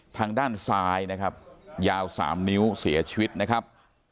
ทางด้านซ้ายนะครับยาว๓นิ้วเสียชีวิตนะครับ